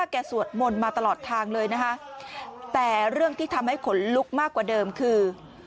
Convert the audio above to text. สวดมนต์มาตลอดทางเลยนะคะแต่เรื่องที่ทำให้ขนลุกมากกว่าเดิมคือ